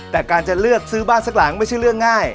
แต่การจะเลือกซื้อบ้านสักหลังไม่ใช่เรื่องง่าย